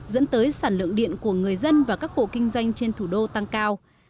dẫn tới sản lượng điện của người dân và các hộ kinh doanh trên thủ đô tăng cao